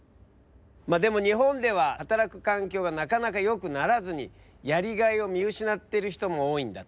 まあでも日本では働く環境がなかなかよくならずにやりがいを見失ってる人も多いんだって。